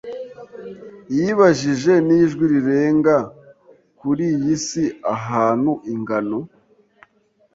Yibajije n'ijwi rirenga "kuri iyi si ahantu ingano